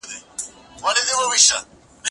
هغه څوک چي ليکنه کوي ښه زده کوي،